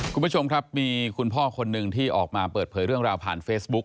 คุณผู้ชมครับมีคุณพ่อคนหนึ่งที่ออกมาเปิดเผยเรื่องราวผ่านเฟซบุ๊ค